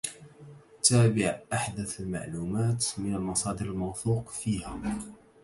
تابع أحدث المعلومات من المصادر الموثوق فيها